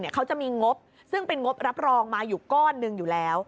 เขาจะมีงบซึ่งเป็นงบรับรองมาอยู่ก้อนหนึ่งอยู่แล้ว